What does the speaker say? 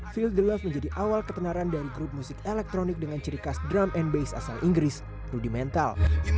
field the love menjadi awal ketenaran dari grup musik elektronik dengan ciri khas drum and base asal inggris rudimental